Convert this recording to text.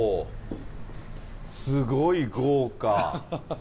すごい豪華。